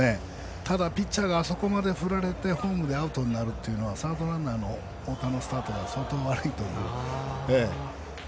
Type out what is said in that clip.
ただ、ピッチャーがあそこまで振られてホームでアウトになるのはサードランナーのスタートが相当悪いという。